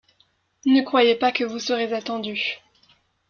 Ne croyez pas que vous serez attendu.